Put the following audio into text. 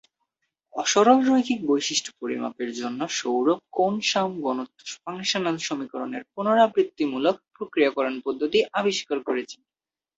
অ-সরলরৈখিক বৈশিষ্ট্য পরিমাপের জন্য সৌরভ কোন-শাম ঘনত্ব ফাংশনাল সমীকরণের পুনরাবৃত্তিমূলক প্রক্রিয়াকরণ পদ্ধতি আবিষ্কার করেছেন।